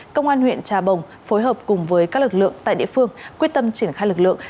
công an huyện trà bồng phối hợp cùng với các lực lượng tại địa phương quyết tâm triển khai lực lượng